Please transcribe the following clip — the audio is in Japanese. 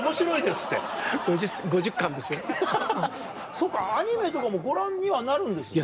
そうかアニメとかもご覧にはなるんですね。